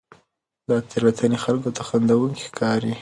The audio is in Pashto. دا تېروتنې خلکو ته خندوونکې ښکاري.